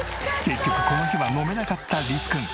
結局この日は飲めなかったりつくん。